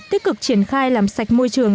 tích cực triển khai làm sạch môi trường